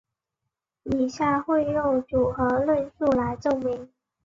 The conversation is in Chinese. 以下会用组合论述来证明。